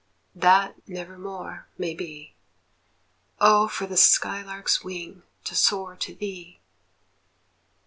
that never more may be. Oh, for the sky lark's wing to soar to thee!